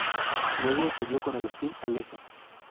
Luego estudió con Agustín Alezzo.